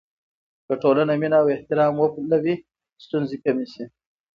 که ټولنه مینه او احترام وپلوي، ستونزې کمې شي.